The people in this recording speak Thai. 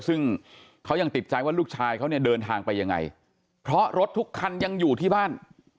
ซึ่งเขายังติดใจว่าลูกชายเขาเนี่ยเดินทางไปยังไงเพราะรถทุกคันยังอยู่ที่บ้าน